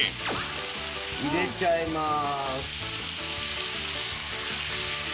入れちゃいます。